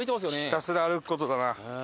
ひたすら歩く事だな。